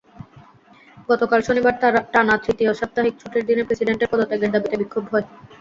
গতকাল শনিবার টানা তৃতীয় সাপ্তাহিক ছুটির দিনে প্রেসিডেন্টের পদত্যাগের দাবিতে বিক্ষোভ হয়।